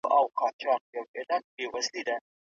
خندا د ذهني فشار کمولو لپاره ګټوره ده.